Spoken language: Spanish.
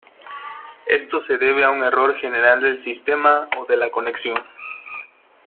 Esto se debe a un error general del sistema o de la conexión.